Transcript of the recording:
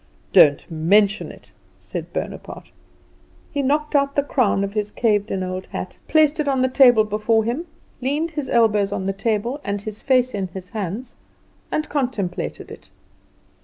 "Don't mention it," said Bonaparte. He knocked out the crown of his caved in old hat, placed it on the table before him, leaned his elbows on the table and his face in his hands, and contemplated it.